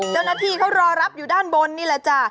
เจ้าหน้าที่เขารอรับอยู่ด้านบนนี่แหละจ้ะ